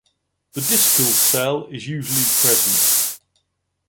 The discal cell is usually present.